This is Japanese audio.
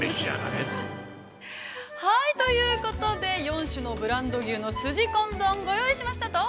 ◆はい、ということで、４種のブランド牛のすじこん丼、ご用意しました。